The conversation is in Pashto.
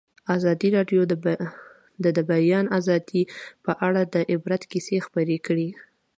ازادي راډیو د د بیان آزادي په اړه د عبرت کیسې خبر کړي.